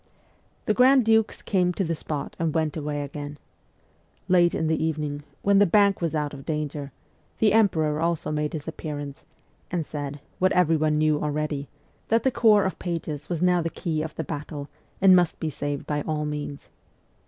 The grand dukes came to the spot and w r ent away again. Late in the evening, when the Bank was out of danger, the emperor also made his appearance, and said, what everyone knew already, that the Corps of Pages was now the key of the battle, and must be saved by all means.